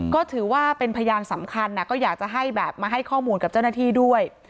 ก็ถือว่าเป็นพยานสำคัญก็อยากจะให้แบบมาให้ข้อมูลกับเจ้าหน้าที่ด้วย